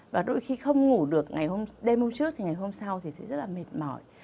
và đôi khi không ngủ được đêm hôm trước thì ngày hôm sau thì sẽ rất là mệt mỏi